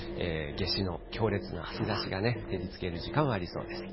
夏至の強烈な日ざしがね、照りつける時間はありそうです。